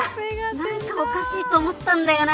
何かおかしいと思ったんだよ。